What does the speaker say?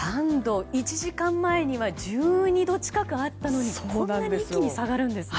１時間前には１２度近くあったのにこんなに一気に下がるんですね。